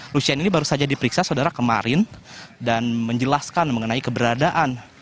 lucian ini baru saja diperiksa saudara kemarin dan menjelaskan mengenai keberadaan